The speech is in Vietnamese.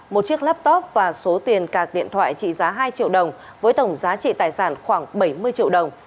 một chiếc laptop và số tiền cạc điện thoại trị giá hai triệu đồng với tổng giá trị tài sản khoảng bảy mươi triệu đồng